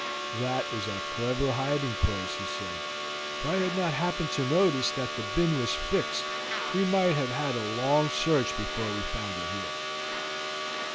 "That is a clever hiding place," he said. "If I had not happened to notice that the bin was fixed we might have had a long search before we found it here."